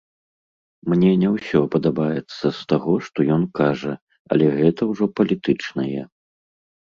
Мне не ўсё падабаецца з таго, што ён кажа, але гэта ўжо палітычнае.